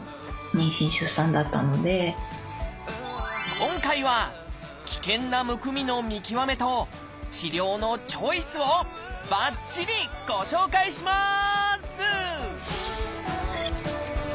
今回は危険なむくみの見極めと治療のチョイスをばっちりご紹介します！